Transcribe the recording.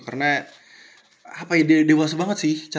karena dia dewasa banget sih